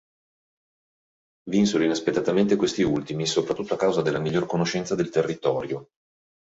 Vinsero inaspettatamente questi ultimi, soprattutto a causa della migliore conoscenza del territorio.